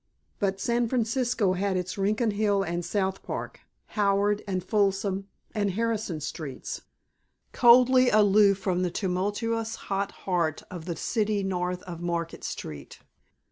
But San Francisco had its Rincon Hill and South Park, Howard and Fulsom and Harrison Streets, coldly aloof from the tumultuous hot heart of the City north of Market Street.